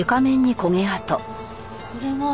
これは。